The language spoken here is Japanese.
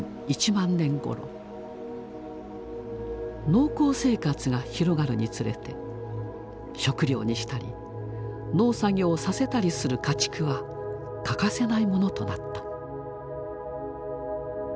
農耕生活が広がるにつれて食料にしたり農作業をさせたりする「家畜」は欠かせないものとなった。